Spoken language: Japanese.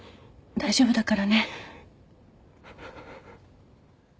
大丈夫だから。